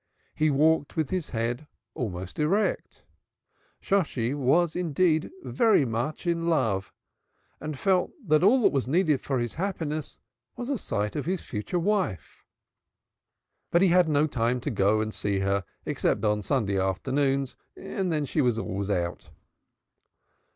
He walked with his head almost erect. Shosshi was indeed very much in love and felt that all that was needed for his happiness was a sight of his future wife. But he had no time to go and see her except on Sunday afternoons, and then she was always out.